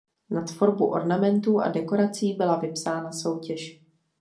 Na tvorbu ornamentů a dekorací byla vypsána soutěž.